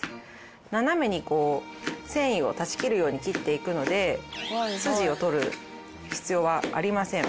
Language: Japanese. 斜めにこう繊維を断ち切るように切っていくので筋を取る必要はありません。